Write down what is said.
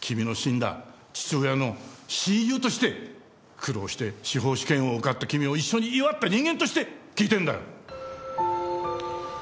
君の死んだ父親の親友として苦労して司法試験を受かった君を一緒に祝った人間として聞いてるんだよ。